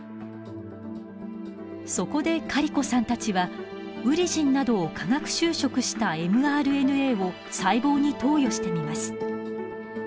そこでカリコさんたちはウリジンなどを化学修飾したｍＲＮＡを細胞に投与してみます。